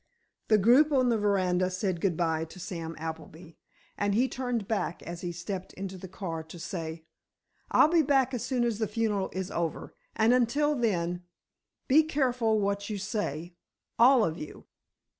The group on the veranda said good bye to Sam Appleby, and he turned back as he stepped into the car to say: "I'll be back as soon as the funeral is over, and until then, be careful what you say—all of you."